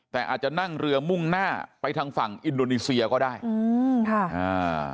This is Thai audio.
แต่อาจจะนั่งเรือมุ่งหน้าไปทางฝั่งอินโดนีเซียก็ได้อืมค่ะอ่า